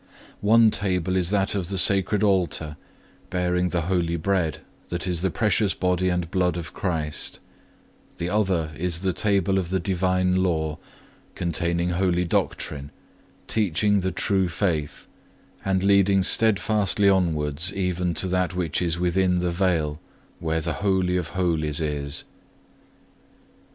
One table is that of the Sacred Altar, bearing the holy bread, that is the precious Body and Blood of Christ; the other is the table of the Divine Law, containing holy doctrine, teaching the true faith, and leading steadfastly onwards even to that which is within the veil, where the Holy of Holies is.